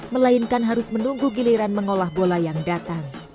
melainkan harus menunggu giliran mengolah bola yang datang